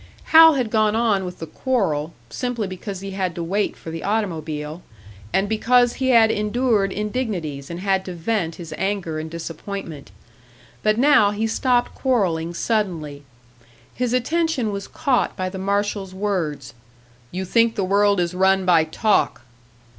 Hal had gone on with the quarrel, simply because he had to wait for the automobile, and because he had endured indignities and had to vent his anger and disappointment. But now he stopped quarrelling suddenly. His attention was caught by the marshal's words, "You think the world is run by talk!"